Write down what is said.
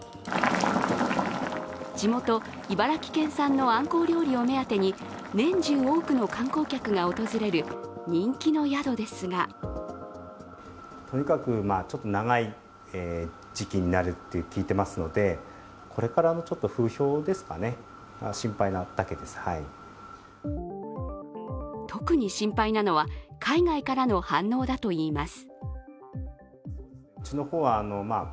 地元・茨城県産のあんこう料理を目当てに年中、多くの観光客が訪れる人気の宿ですが特に心配なのは、海外からの反応だといいます。